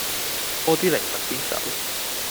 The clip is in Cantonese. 多啲嚟密啲手